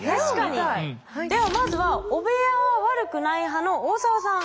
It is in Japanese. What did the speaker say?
ではまずは汚部屋は悪くない派の大澤さん。